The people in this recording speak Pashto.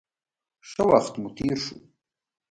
ښه وخت مو تېر شو.